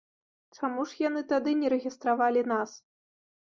Чаму ж яны тады не рэгістравалі нас?